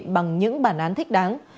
bằng những bản án thích đáng